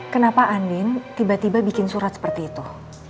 kenapa andin tiba tiba bikin surat seperti itu